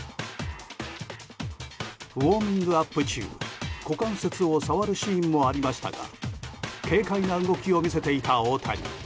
ウォーミングアップ中股関節を触るシーンもありましたが軽快な動きを見せていた大谷。